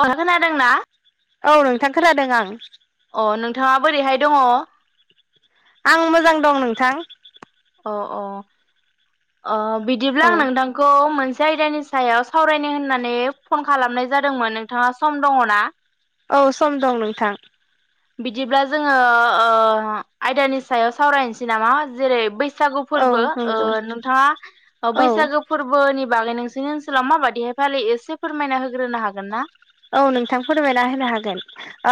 अ खोनादोंना औ नोंथां खोनादों आं। अ नोंथाङा बोरैहाय दङ? आं मोजां दं नोंथां। अ अ अ बिदिब्ला औ नोंथांखौ मोन जायगानि सायाव सावरायनो होननानै फन खालामनाय जादोंमोन नोंथाङा सम दङना? औ सम दं नोंथां। बिदिब्ला जोङो ओ आयदानि सायाव सावरायनोसै नामा जेरै बैस सागु औ फोरबो ओ नंगौ नोंथाङा औ बैसागो फोरबोनि बागै नों सिनि ओनसोलाव माबादिहाय फालियो एसे फोरमायना होग्रोनो हागोन ना? औ नोंथां फोरमायना होनो हागोन।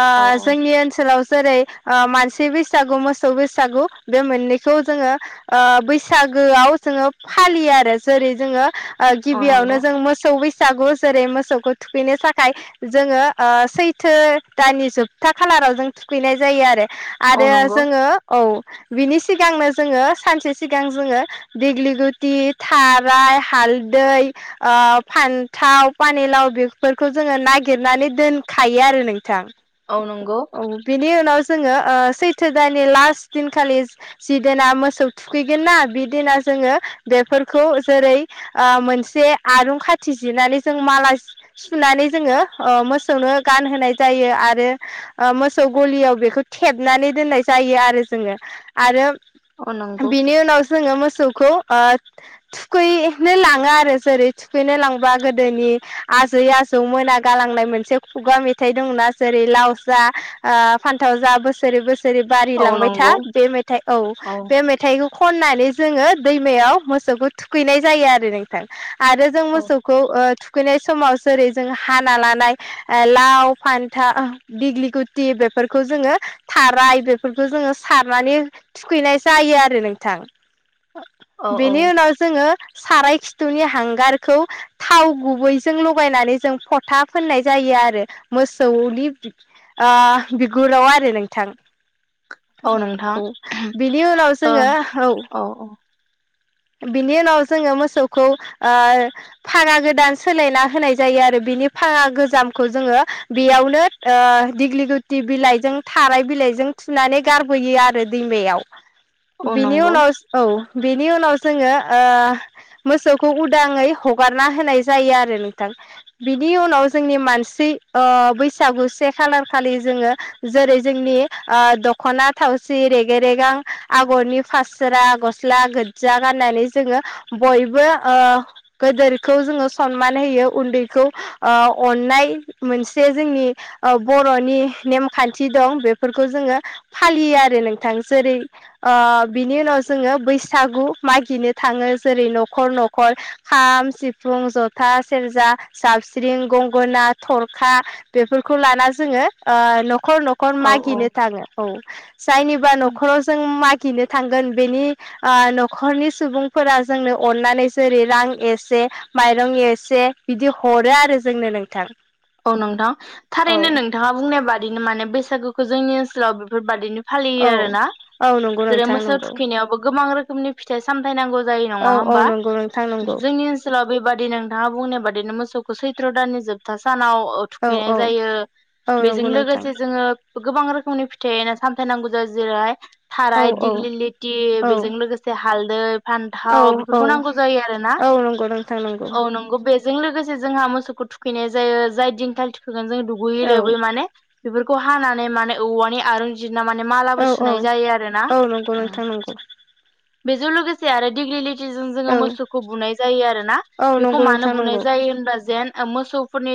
ओ औ औ जोंनि ओनसोलाव जेरै ओ मानसि बैसागु मोसौ बैसागु बे मोननैखौ जोङो ओ बैसागोआव जोङो फालियो आरो जेरै जोङो ओ औ नंगौ गिबियावनो जों मोसौ बै सागु जेरै मोसौखौ थुकैनो थाख [unintelligible] जोङो ओ सैथो दानानि जोबथा खालाराव जों थुखैनाय जायो आरो औ आरो नंगौ जोङो औ बिनि सिगांनो जोङो सानसे सिगां जोङो देग्लि गुथि थाराय हालदै ओ फान्थाव पानिलाव बेफोर खौ जोङो नागिरनानै दोनखायो आरो नोंथां। औ नोंगौ। नि उनाव जोङो ओ सैथो दाननि लास दिनखालि जिदिना मोसौ थुखैगोन ना बि दिना जोङो बेफोरखौ जेरै ओ मोनसे आरुं खाथि जिनानै जों माला सुनानै जोङो ओ मोसौनो गानहोनाय जायो आरो मोसौ गलियाव बेखौ थेबनानै दोननाय जायो आरो जोङो आरो। औ नंगौ बिनि उनाव जोङो मोसौखौ। ओ थुखैनो लाङो आरो जेरै थुखैनो लांबा गोदोनि। जै आजौ मोना गालांनाय मोनसे खुगा मेथाइ दंना जेरै लाव जा ओ फान्थाव जा बोसोरै बोसोरै रै बारि औ लांबाय था नंगौ बे मेथाइ औ बे मेथाइखौ खननानै जोङो दैमायाव मोसौखौ थुखैनाय जायो आरो नोंथां! आरो जों औ मोसौखौ ओ थुखैनाय समाव जेरै जों हाना लानाय ओ लाव फान्था दिग्लि गुथि बेफोरखौ जोङो थाराय बेफोरखौ जोङो सारनानै थुखैनाय जायो आरो नोंथां। औ औ बेनि उनाव जोङो साराय खिथुनि हांगारखौ थाव गुबैजों लख गायनानै जों फथा फोननाय जायो आरो मोसौनि बिगुराव आरो नोंथां। औ बिनि उनाव ओ जोङो औ बिनि उनाव जोङो मोसौखौ ओ फागा गोदान सोलायना होनाय जायो आरो बिनि फागा गोजामखौ जोङो बेयावनो ओ दिग्लि गुथि बिलाइजों थानाय बिलाइजों थुनानै गारबोयो आरो दैमायाव औ बिनि नंगौ उनाव औ बेनि उनाव जोङो ओ मोसौखौ उदाङै हगारना होनाय जायो आरो थां बिनि उनाव जोंनि मानसि अ बैसागु से खालार खालि जोङो जेरै जोंनि ओ दख'ना थावसि रेगे रेगां आगरनि फास्रा गस्ला गोजा गाननानै जोङो बयबो ओ गोदोरखौ जोङो सनमान होयो उन्दैखौ ओ अननाय मोनसे जोंनि बर'नि नेमखान्थि दं बेफोरखौ जोङो फालियो आरो नोंथां जेरै ओ बिनि उनाव जोङो बैसागु मागिनो थाङो जेरै न'खर न'खर खाम सिफुं जथा सेरजा जाबस्रिं गंगोना थरखा बेफोरखौ लाना जोङो ओ न खर न'खर औ औ मागिनो थाङो औ जायनिबा न'खराव जों मा गनो थांगोन बेनि न'खरनि सुबुंफोरा जोंनो अननानै जेरै रां एसे माइरं एसे से बिदि हरो आरो जोंनो नोंथां। औ नोंथां औ थारैनो नोंथाङा बुंनाय बादिनो माने बैसागो खो जोंनि ओनसोलाव बेफोरबादिनो फालियो आरोना औ औ नंगौ जेरै नोंथां मोसौ नंगौ थुखैनायावबो गोबां रोखोमनि फिथाइ सामथाय नांगौ जायो औ नङा औ होमबा नंगौ नोंथां नंगौ जोंनि ओनसोलाव बेबादि नोंथाङा बुंनाय बादिनो मोसौ खौ सैथ्र' दाननि जोबथा सानाव औ थुखैनाय जायो औ बेजों नंगौ नोंथां लोगोसे जोङो गोबां रोखोमनि फि थाय सामथाय नांगौ जा जिरै औ थाराय दिग्लि लिति औ बेजों लोगोसे हाल दो औ फान्थाव औ बेफोरखौ नांगौ जायो आरोना औ नंगौ नोंथां नंगौ औ नंगौ बेस जों लोगोसे जोंहा मोसौखौ थुखैनाय जायो जाय दिनखालि थु जों दुगैयै औ लोबै माने बेफोरखौ हानानै माने औवानि आरुं जि बिना माने मालाबो औ औ सुनाय जायो आरो ना औ नंगौ उम नोंथां नंगौ बेजों लोगोसे आरो दिग्रिलि ति जों जोङो औ मोसौखौ बुनाय जायो आरोना औ बेखौ नंगौ मानो नोंथां बुनाय नंगौ जायो होनबा जेन मोसौ नि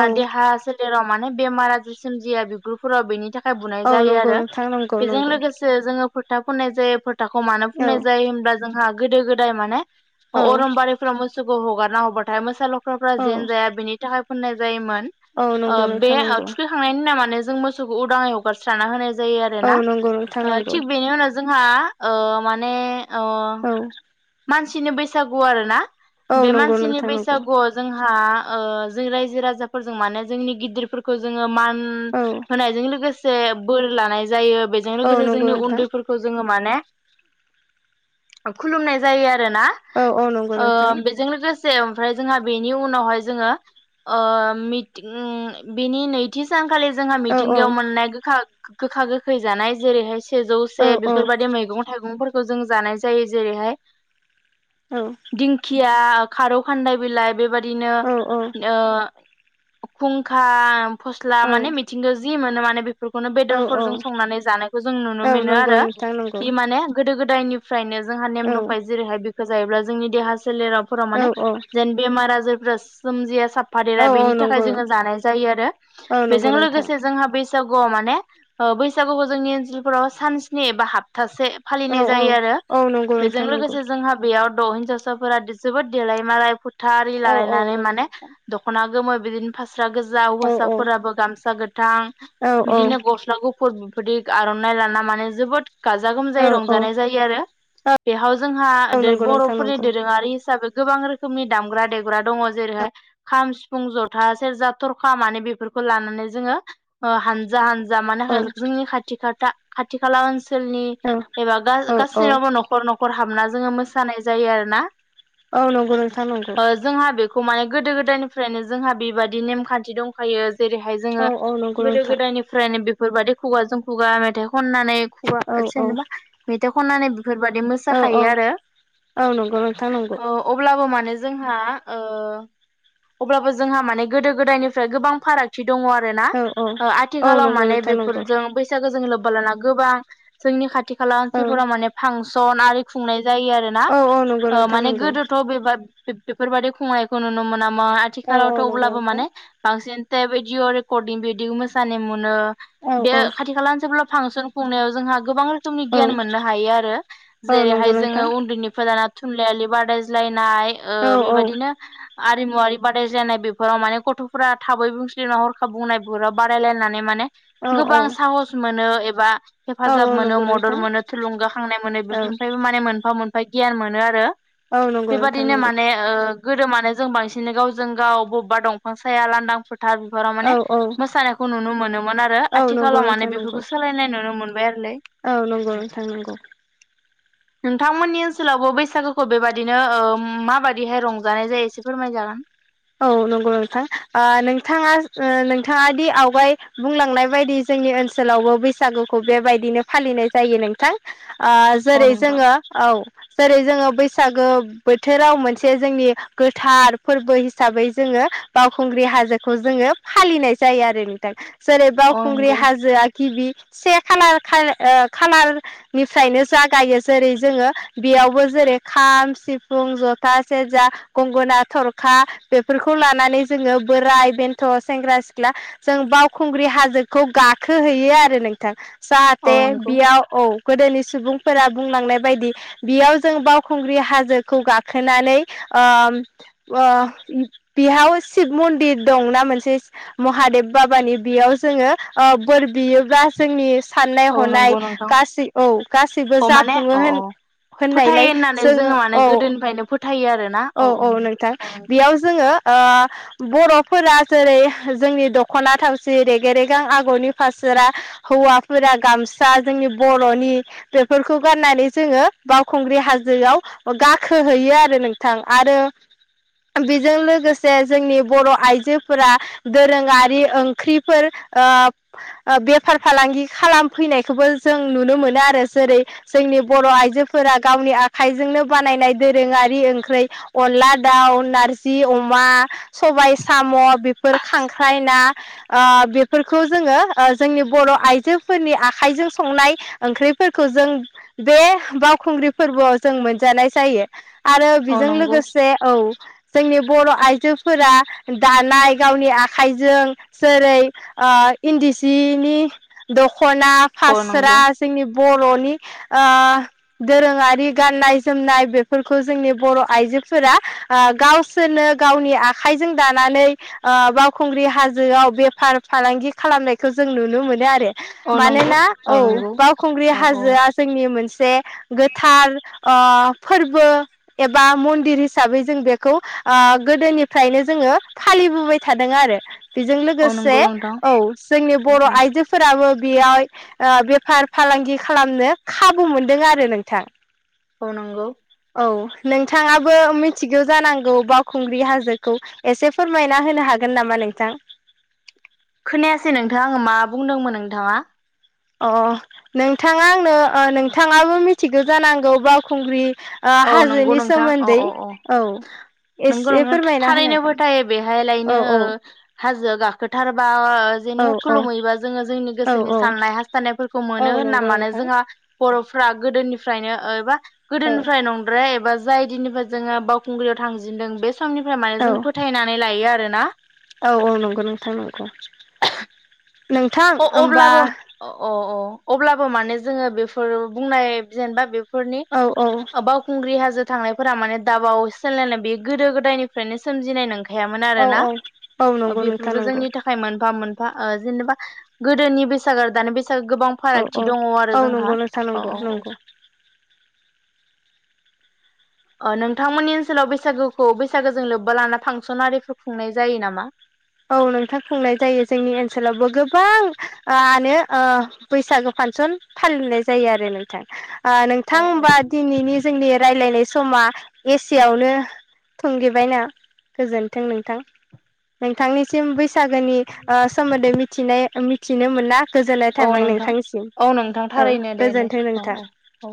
औ देहा सोलेराव मान नाव बेमार आजार सोमजिया बिगुरफोराव बेनि थाख खाय बुनाय औ जायो नंगौ आरो नोंथां नंगौ बेजों नंगौ लोगोसे जोङो फोथ था फोननाय जायो फोथ थाखौ मानो औ फुननाय जायो होनब्ला जोंहा गोदो गोदाय माने औ अरनबारिफोराव मोसौखौ हगार ना हरबाथाय मोसा लक ख्राफोरा औ जेन जाया बिनि था फोननाय जायोमोन। औ ओ नंगौ बे नोंथां ओ नंगौ थुखैखांनायनि उनाव माने जों मोस सौखौ उदाङै हगारस्राना होनायज जायो औ आरोना नंगौ नोंथां ओ नंगौ थिग बेनि उनाव जों हा ओ माने अ औ मानसिनि बैसागु आरो ना? औ बे नंगौ मानसिनि नोंथां नंगौ बैसागुआव जोंहा ओ जों राज्यो राजाफोरजों माने जोंनि गिदिरफोरखौ जोङो मान उम औ होनायजों लोगोस से बोर लानाय जायो। बेजों औ लोगोसे नंगौ जोंनि नोंथां उन्दैफोरखौ जोङो माने ओ खुलुमनाय जायो आर रो ना औ औ नंगौ ओ नोंथां बेजों लोगोस सो ओमफ्राय जोङा बेनि उनावहाय जोङो ओ मितिं बेनि नैथि सानखालि जोंहा औ औ मिथिंगायाव मोननाय गोखा गोखा गोखै जानाय जेरैहाय सि सेजौ औ से बेफोरबादि मैगं थाइगंफोर खौ जों जानाय जायो जेरैहाय औ दिंखिया खारौ खान्दाय बिलाइ बेबायद औ [unintelligible] ओ खुंखा फस्ला माने मिथिंगा जि मोनो माने [unintelligible] फोरखौनो औ औ बेदरफोरजों संनानै जानायखौ जों नुनो औ मिनो नंगौ आरो नोंथां नंगौ बि माने गोदो गोद [unintelligible] फ्रायनो जोंहा नेम औ दं। जेरैहाय [unintelligible] जायोब्ला जोंनि देहा सोलेराव फोराव औ माने औ जेन बेमार आजार सोमजिआ साफ्फादेरा औ बेनि थाखाय नंगौ जोङो जानाय जायो आरो औ नंगौ बेजों नोंथां लोगोसे जोंहा बे बैसागुआव माने ओ बैसागुखौ जोंनि ओनसोलफोराव सानस्निनि एबा हाबथा [inaudible] जों लोगोसे जोंहा बे [unintelligible] हिनजावसाफोरा जोबोद देलायमालाय था आरि औ औ लालायनानै नंगौ माने नोंथां दख'ना गोमो बिदिनो फा स्रा गोजा औ औ हौवसाफोराबो गामसा गोथां औ बिदिनो गस्ला गुफुर दिग आर'नाइ लाना माने जोबोद गाजा औ गोमजायै औ रंजानाय जायो आरो। बेहाव जोंहा औ नंगौ नोंथां बर'फोरनि नंगौ दोरोङारि हिसाबै गोबां रोखोमनि दामग्रा देग्रा दङ जेरैहाय खाम सिफुं जथा सेरजा थरखा मानि बेफोरखौ लानानै जोङो ओ हानजा हानजा जा मानो औ होया जोंनि खाथि खाथा खाथि खाला ओनसो सोलनि औ एबा औ औ गा-गासैनावबो न'ख हाबना जोङो मोसानाय जायो आरोना। औ नंगौ नोंथां नंगौ। ओ जोंहा माने गोदो गोदायनिफ्रायनो जोंहा बेबायदि नेमखान्थि दंखायो। जेरैहाय जोङो औ औ नंगौ गोदो नोंथां गोदायनिफ्रायनो बे बेफोरबायदि खुगाजों खुगा मेथाइ खननानै [unintelligible] औ औ जेनेबा मेथाइ खननानैबो औ मोसाखायो औ आरो औ नंगौ नोंथां नंगौ औ अब्लाबो माने जोंहा ओ अब्लाबो जोंहा माने गोदो गोदायनिफ्राय गोबां फारागथि दङ आरोना औ ओ औ आथिखालाव नंगौ माने नोंथां नंगौ बेफोरजों बैसागो जों लोब्बा लाना गोबा जोंनि खाथि खाला औ ओनसोलफोरा माने फांसन आरि खुंनाय जायो आरो ना औ औ नंगौ नोंथां माने नंगौ गोदोथ' बेबा बेफोरबायदि खुंनायखौ नुनो मोना मोन औ आथिखालावथ' नंगौ अब्लाबो नोंथां माने बांसिन बे भिदिअ रेकरडिं बिदि मोसानो मोनो। औ बे औ खाथि खाला जेब्ला [inaudible] फांसन खुंनायाव जोंहा गोबां रोखोमनि औ गियान मोननो हायो आरो औ जेरैहाय नंगौ जोङो नोंथां उन्दैनिफ्राय लाना थुनलाइयालि बादायज्लाय नाय ओ औ औ बेबायदिनो आरिमुवरि बादायज्लायनाय बेफोराव माने गथ'फोरा थाबै बुंसलि हरखाब बुंनाय बेफोराव बादायलायनानै माने औ गोबां साहस मोनो एबा औ हेफाजाब मोनो नंगौ मदद नोंथां मोनो थुलुंगा नाय मोनो औ बेफोरनिफ्रायबो माने मोनफा ओमफाइ गियान मोनो आरो औ नंगौ नोंथां बेबादिनो नंगौ माने ओ गोरोमानो जों बांसिन गावजों गाव बबेबा दंफां साया लांदां था र बिफोराव माने औ औ मोसानायखौ नुनो मोनो। मोनो औ नंगौ आथिखालाव माने नोंथां नंगौ बेफोरखौ सोलायनाय नुनो मोनबाय आरोलै औ नंगौ नोंथां नंगौ। नोंथांमोननि ओनसोलावबो बैसागोखौ बेबादिनो ओ माबादिहाय रंजानाय जायो एसे फोरमायजागोन। औ नंगौ नोंथां ओ नोंथाङा नोंथाङा दि आवगाय बुंलांनाय बायदि जोंनि ओनसोलावबो बैसागुखौ बेबायदिनो फालिनाय जायो नोंथां। ओ औ जेरै नोंथां जोङो औ जेरै जोङो बैसागो बोथोराव मोनसे जोंनि गोथार फोरबो हिसाबै जोङो बावखुंग्रि हाजोखौ जोङो फालिनाय जायो आरो नोंथां। जेरै औ बावखुंग्रि नंगौ हाजो गिबि से खालार खा खालारनिफ्रायनो जागायो जेरै जोङो बेयावबो जेरै खाम सिफुं जथा सेरजा गंगोना थरखा बेफोरखौ लानानै जोङो बोराय बेन्थ' सेंग्रा सिख्ला जों बावखुंग्रि हाजोखौ गाखोहैयो आरो नोंथां औ जाहाथे नंगौ बियाव औ गोदोनि सुबुंफोरा बुंलांनाय बायदि बेयाव जों बावखुंग्रि हाजोखौ गाखोनानै बेयाव शिब मन्दिर दंना मोनसे महादेब बाबानि बेयाव जोङो बोर बियोब्ला जोंनि साननाय औ हनाय नंगौ नोंथां गासै औ गासैबो औ माने जाफुङो अ अ होन फोथायो होननायलाय होननानै जोङो माने औ गोदोनिफ्रायनो फोथायो आरोना औ औ नोंथां औ नंगौ बेयाव जोङो बर'फोरा जेरै जोंनि दख'ना थावसि रेग रेगां आगरनि फासारा हौवाफोरा गामसा जोंनि बर'नि बेफोरखौ गाननानै जोङो बावखुंग्रि हाजोआव गाखोहैयो आरो आरो बेजों लोगोसे जोंनि बर' आइजोफोरा दोरोङारि ओंख्रिफोर बेफार फालांगि खालामफैनायखौबो जों नुनो मोनो आरो जेरै जोंनि बर' आइजोफोरा गावनि आखाइजोंनो बानायनाय दोरोङारि ओं अनला दाउ नारजि अमा सबाय साम' बेफोर खांख्राइ ना बेफोरखौ जोङो जोंनि बर' आइजोफोरनि आखाइजों संनाय ओंख्रिफोरखौ जों बे बावखुंग्रि फोरबोआव जों मोनजानाय जायो आरो औ बेजों नंगौ लोगोसे औ जोंनि बर' आइजोफोरा दानाय गावनि आखाइजों जेरै इन्दि सिनि दख खना औ फास्रा नंगौ जोंनि बर'नि आ दोरोङारि गाननाय जोमनाय बेफोरखौ जोंनि बर' आइजोफोरा गावसोरनो गावनि आखाइजों दानानै ओ बावखुंग्रि हाजोआव बेफार फालांगि खालामनायखौ जों नुनो मोनो आरो औ नंगौ मानोना औ नंगौ बावखुंग्रि औ औ हाजोआ जोंनि मोनसे गोथार ओ फोरबो एबा मन्दिर हिसाबै जों बेखौ आ गोदोनिफ्रायनो जोङो फालिबोबाय थादों आरो बेजों औ लोगोसे नंगौ नोंथां औ जोंनि औ बर' आइजोफोराबो बेयाव बेफार फालांगि खालामनो खाबु मोनदों आरो नोंथां ओ नोंगौ औ नोंथाङाबो मिथिगौ जानांगौ बावखुंग्रि हाजोखौ एसे फोरमायना होनो हागोन नामा नोंथां खोनायासै नोंथां आङो मा बुंदोंमोन नोंथांङा अ नोंथाङा आंनो ओ नोंथाङाबो मिथिगौ जानांगौ बावखुंग्रि ओ औ नंगौ हाजोनि नोंथां औ सोमोन्दै औ औ नंगौ एसे नोंथां फोरमायना होनो थारैनो हागोन फोथायो बेहाय लायनो औ औ हाजोआ गाखो गोथार बा आ जेन औ औ खुलुहैबा जोङो जोंनि औ गोसोनि औ साननाय हास्थायनायफोरखौ औ मोनो होनना नंगौ मानो नोंथां जोंहा बर' फ्रा गोदोनिफ्रायनो एबा औ गोदोन फ्राय नंद्राया एबा जाय दिननिफ्राय जोङो बावखुंग्रियाव थांजेनदों बे समनिफ्राय माने औ जों फोथायनानै लायो आरोना औ औ नंगौ नोंथां नंगौ नोंथां अ होमबा अब्लाबो अ अ अब्लाबो माने जोङो बेफोर बुंनाय जेनेबा बे फोरनि औ औ बावखुंग्रि हाज [unintelligible] थांनायफोरा माने दाबाव सोलायनाय बे गोदो गोदायनिफ्रायनो सोमजिनाय नों थायामोन औ आरोना औ औ नंगौ नोंथां बेफोरबो नंगौ जोंनि थाखाय मोनफा-मोन बा ओ जेनेबा गोदोनि बैसागो आरो दानि बैसा [unintelligible] गोबां औ औ फारागथि दङ आरो औ नंगौ जोंहा नोंथां औ नंगौ औ औ नंगौ अ नोंथांमोननि ओनसोलाव बैसागुखौ बैसागुजों लोब्बा लाना फांसन आरारिफोर खुंनाय जायो नामा औ नोंथां खुंनाय जायो जोंनि ओनसोलावबो गोबांआनो ओ बैसागो फासन फालिनाय जायो आरो नोंथां आ नोंथां औ होमबा दिनैनि जोंनि रायज्लायनाय समा एसेयावनो थुंगेबायना गोजोनथों नोंथां नोंथांनिसिम बो बैसागोनि ओ सोमोन्दै मिथिनाय अम थिनो मोनना गोजोननाय औ थाबाय नोंथां नोंथांसिम औ नोंथां औ थारैनो दे दे गोजोन्थों औ नोंथां औ औ